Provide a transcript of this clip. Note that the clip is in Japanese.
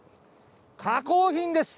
加工品です。